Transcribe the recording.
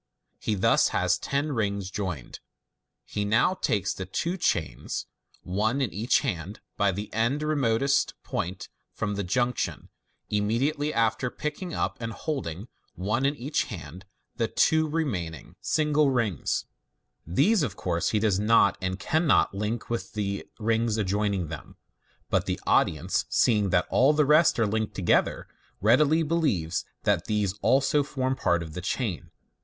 He thus has ten rings joined. He now takes the two chains one in each hand by the ends remotest from the point of juncture, in* ledi ately after picking up and holding (one in each hand) the two remaining Fig. 243 4o8 MODERN MAGIC, single rings. These, of course, he does not and canhot link with the rings adjoining them, but the audience seeing that all the rest are linked together, readily believe that these also form part of the chain.